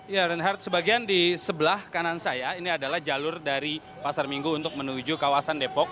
ya reinhardt sebagian di sebelah kanan saya ini adalah jalur dari pasar minggu untuk menuju kawasan depok